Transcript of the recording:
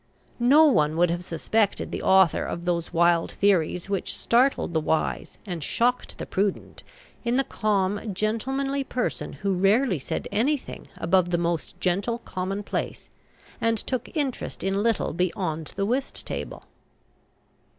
No one would have suspected the author of those wild theories which startled the wise and shocked the prudent in the calm, gentlemanly person who rarely said anything above the most gentle commonplace, and took interest in little beyond the whist table."